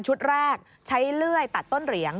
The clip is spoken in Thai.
แรกใช้เลื่อยตัดต้นเหรียง